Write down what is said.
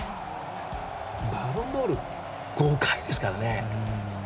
バロンドール５回ですからね。